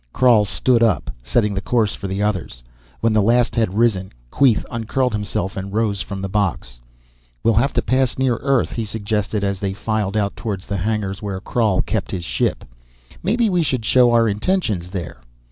Krhal stood up, setting the course for the others. When the last had risen, Queeth uncurled himself and rose from the box. "We'll have to pass near Earth," he suggested as they filed out toward the hangars where Krhal kept his ship. "Maybe we should show our intentions there!"